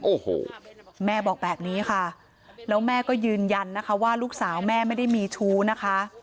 โอ้โหแม่บอกแบบนี้ค่ะแล้วแม่ก็ยืนยันนะคะว่าลูกสาวแม่ไม่ได้มีชู้นะคะ